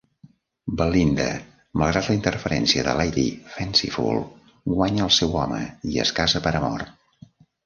Belinda, malgrat la interferència de Lady Fanciful, guanya al seu home i es casa per amor.